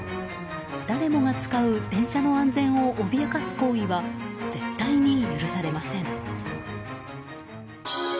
誰もが使う電車の安全を脅かす行為は絶対に許されません。